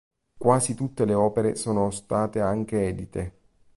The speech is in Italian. Quasi tutte le opere sono state anche edite.